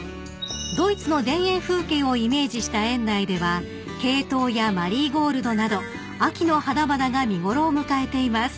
［ドイツの田園風景をイメージした園内ではケイトウやマリーゴールドなど秋の花々が見頃を迎えています］